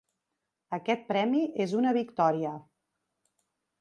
Aquest premi és una victòria.